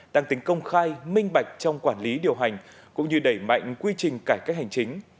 tăng tính công khai minh bạch trong quản lý điều hành cũng như đẩy mạnh quy trình cải cách hành chính